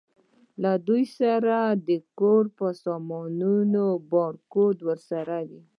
له دوی سره د کور په سامانونو بار، ګاډۍ ورسره وې.